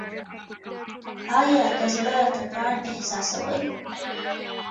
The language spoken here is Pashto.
ایا د زړه ټکان احساسوئ؟